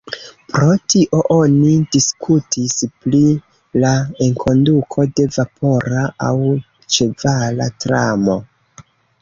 Pro tio oni diskutis pri la enkonduko de vapora aŭ ĉevala tramo.